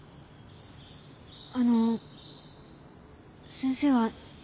あの先生は何か。